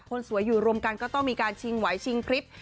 คนสวยอยู่รวมกันก็ต้องมีการชิงไหวชิงคลิป